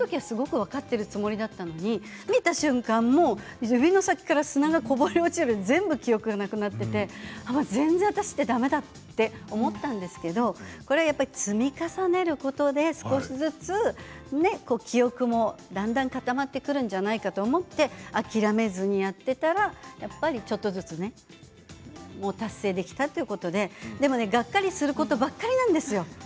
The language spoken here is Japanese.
聞いてる時はすごく分かっているつもりなのに出た瞬間に、指の先から砂がこぼれ落ちるように全部、記憶がなくなっていて私ってだめだと思ったんですけれど積み重ねることで少しずつ記憶もだんだん固まってくるんじゃないかなと思って諦めずにやっていたらやっぱり、ちょっとずつ達成できたということででも、がっかりすることばっかりなんですよ。